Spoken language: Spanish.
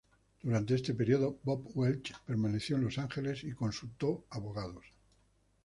Durante este periodo Bob Welch permaneció en Los Ángeles y consultó con abogados.